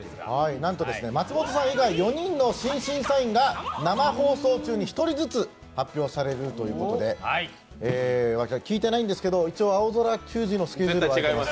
なんと松本さん以外４人の新審査員が生放送中に１人ずつ発表されるということで、聞いてないんですけど、一応青空球児のスケジュールは空いてます。